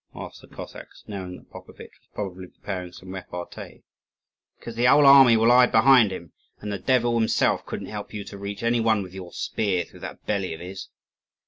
asked the Cossacks, knowing that Popovitch was probably preparing some repartee. "Because the whole army will hide behind him; and the devil himself couldn't help you to reach any one with your spear through that belly of his!"